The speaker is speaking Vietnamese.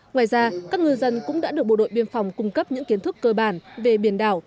ngoài ra các ngư dân cũng đã được bộ đội biên phòng cung cấp những kiến thức cơ bản về biển đảo